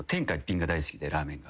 ラーメンが。